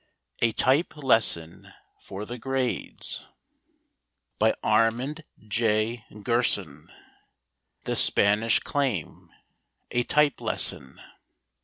A Type Lesson for the Grades BY ARMAND J. GERSON. THE SPANISH CLAIM. A Type Lesson.